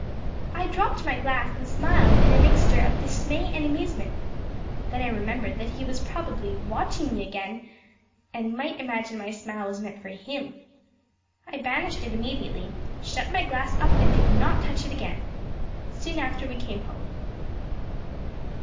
I dropped my glass and smiled in a mixture of dismay and amusement. Then I remembered that he was probably watching me again, and might imagine my smile was meant for him. I banished it immediately, shut my glass up and did not touch it again. Soon after we came home.